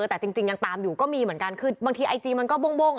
แต่จริงยังตามอยู่ก็มีเหมือนกันคือบางทีไอจีมันก็โบ้ง